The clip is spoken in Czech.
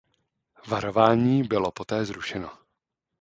Varování bylo poté zrušeno.